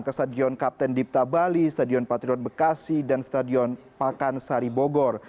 dengan kapten dipta bali stadion patriot bekasi dan stadion pakan sari bogor